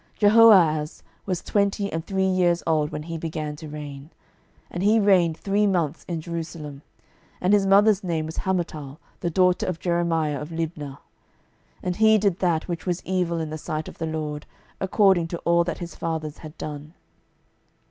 12:023:031 Jehoahaz was twenty and three years old when he began to reign; and he reigned three months in Jerusalem. And his mother's name was Hamutal, the daughter of Jeremiah of Libnah. 12:023:032 And he did that which was evil in the sight of the LORD, according to all that his fathers had done.